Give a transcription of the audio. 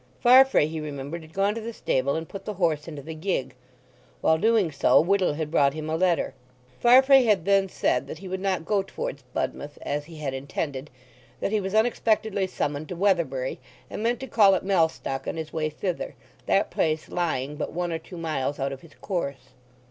Farfrae he remembered had gone to the stable and put the horse into the gig; while doing so Whittle had brought him a letter; Farfrae had then said that he would not go towards Budmouth as he had intended—that he was unexpectedly summoned to Weatherbury, and meant to call at Mellstock on his way thither, that place lying but one or two miles out of his course.